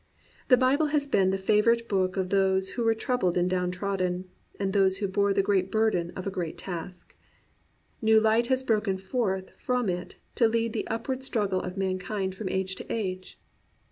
The Bible has been the favourite book of those who were troubled and downtrodden, and of those who bore the great burden of a great task. New light has broken forth from it to lead the upward struggle of mankind from age to age.